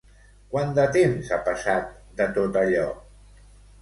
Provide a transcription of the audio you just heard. Quant de temps ha passat de tot allò?